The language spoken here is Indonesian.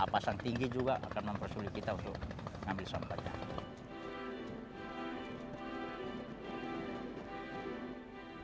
pasang tinggi juga akan mempersulit kita untuk mengambil sampahnya